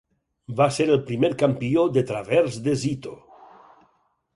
Va ser el primer campió de Travers de Zito.